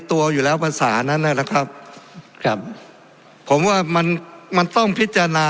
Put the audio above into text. ตัวอยู่แล้วภาษานั้นนะครับครับผมว่ามันมันต้องพิจารณา